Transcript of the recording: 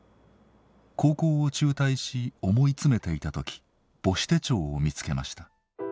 高校を中退し思い詰めていた時母子手帳を見つけました。